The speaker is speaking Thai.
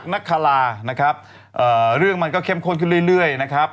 นักคารานะครับเรื่องมันก็เข้มข้นขึ้นเรื่อยนะครับ